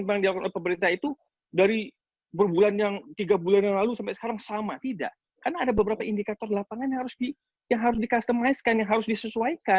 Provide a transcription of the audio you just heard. turnaroundu bukan dianggap itu dari bulan yang tiga bulan yang lalu sampai sekarang sama tidak karena ada beberapa indikator lapangan yang harus di yang harus di customize kein harus disesuaikan